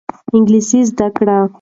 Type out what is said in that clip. انګلیسي زده کړئ.